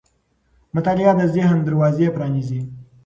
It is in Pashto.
مطالعه د ذهن دروازې پرانیزي.